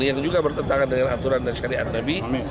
yang juga bertentangan dengan aturan dan syariat nabi